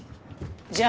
じゃあ